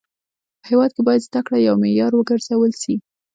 په هيواد کي باید زده کړه يو معيار و ګرځول سي.